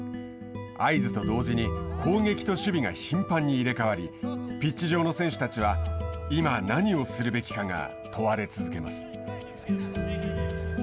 合図と同時に攻撃と守備が頻繁に入れ代わりピッチ上の選手たちは今、何をするべきかが問われ続けます。